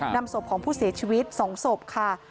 นำศพของผู้เสียชีวิต๒ศพค่ะ